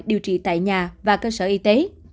điều trị tại nhà và cơ sở y tế